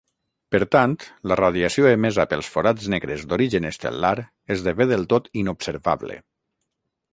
Per tant, la radiació emesa pels forats negres d'origen estel·lar esdevé del tot inobservable.